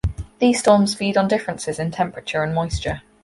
These storms feed on differences in temperature and moisture.